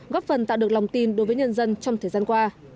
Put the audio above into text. góp phần tạo được lòng tin đối với nhân dân trong thời gian qua